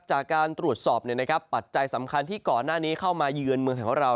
จากการตรวจสอบปัจจัยสำคัญที่ก่อนหน้านี้เข้ามาเยือนเมืองของเรา